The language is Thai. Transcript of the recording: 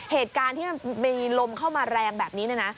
เหตุการณ์ที่มีลมมาแรงแบบนี้นะนะ